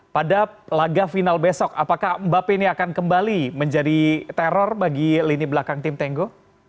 pada laga final besok apakah mbappe ini akan kembali menjadi teror bagi lini belakang tim tengo